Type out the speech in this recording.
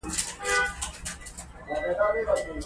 چنگلونه زیاد دی